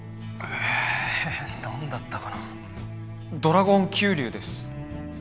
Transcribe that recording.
ええ何だったかな「ドラゴン急流」です